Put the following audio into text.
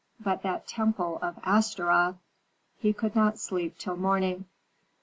But that temple of Astaroth! He could not sleep till morning.